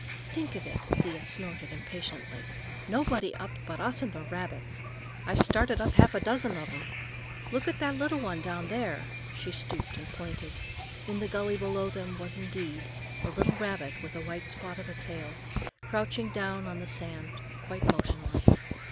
"Think of it," Thea snorted impatiently. "Nobody up but us and the rabbits! I've started up half a dozen of 'em. Look at that little one down there now,"—she stooped and pointed. In the gully below them there was, indeed, a little rabbit with a white spot of a tail, crouching down on the sand, quite motionless.